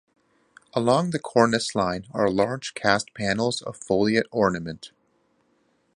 Along the cornice line are large cast panels of foliate ornament.